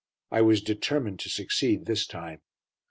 I was determined to succeed this time.